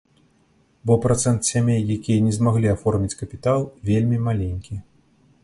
Бо працэнт сямей, якія не змаглі аформіць капітал, вельмі маленькі.